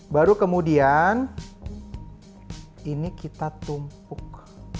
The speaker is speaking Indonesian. baru kemudian ini kita tumpuk